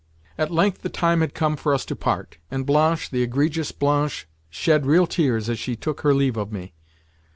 At length the time had come for us to part, and Blanche, the egregious Blanche, shed real tears as she took her leave of me.